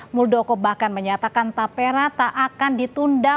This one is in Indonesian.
muldoko bahkan menyatakan tapera tak akan ditunda